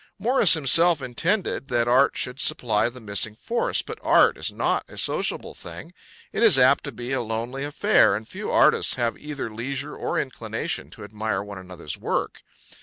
Morris himself intended that art should supply the missing force; but art is not a sociable thing; it is apt to be a lonely affair, and few artists have either leisure or inclination to admire one another's work.